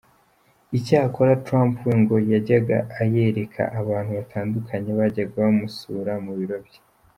Icyakora, Trump we ngo yajyaga ayereka abantu batandukanye bajyaga bamusura mu biro bye.